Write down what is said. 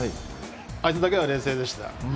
あいつだけは冷静でした。